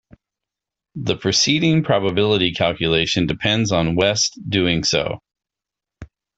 The preceding probability calculation depends on West doing so.